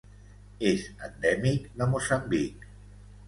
És endèmic de Moçambic.